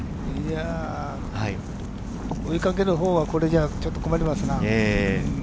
追いかけるほうは、これじゃ困りますな。